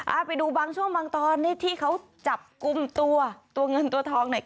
ไปดูบางช่วงบางตอนที่เขาจับกลุ่มตัวตัวเงินตัวทองหน่อย